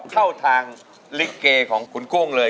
เข้าทางลิเกของคุณกุ้งเลย